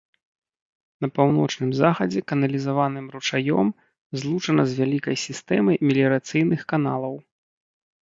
На паўночным захадзе каналізаваным ручаём злучана з вялікай сістэмай меліярацыйных каналаў.